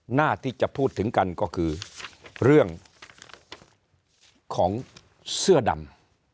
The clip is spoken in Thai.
หน้าที่จะพูดถึงกันก็คือเรื่องของเสื้อดำ